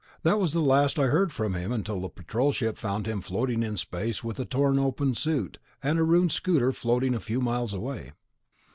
That was the last I heard from him until the Patrol ship found him floating in space with a torn open suit and a ruined scooter floating a few miles away."